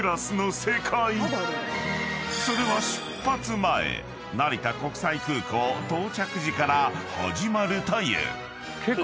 ［それは出発前成田国際空港到着時から始まるという］